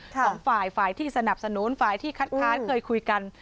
สองฝ่ายฝ่ายที่สนับสนุนฝ่ายที่คัดค้านเคยคุยกัน